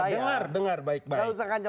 dengar dengar baik baik